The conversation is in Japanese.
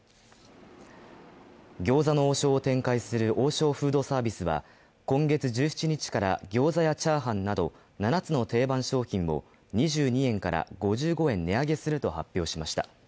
餃子の王将を展開する王将フードサービスは今月１７日から餃子や炒飯など７つの定番商品を２２円から５５円値上げすると発表しました。